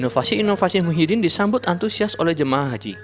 inovasi inovasi muhyiddin disambut antusias oleh jemaah haji